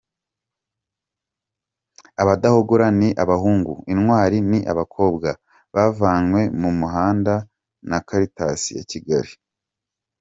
Abadahogora ni abahungu, Intwari ni abakobwa, bavanywe mu muhanda na Caritas ya Kigali.